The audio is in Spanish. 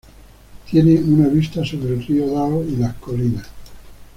Tiene una vista sobre el Río Dão y las colinas.